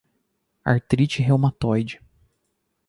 Artrite Reumatoide